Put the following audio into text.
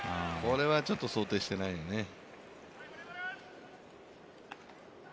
これはちょっと想定してないよね。